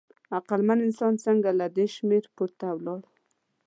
عقلمن انسان څنګه له دې شمېر پورته ولاړ؟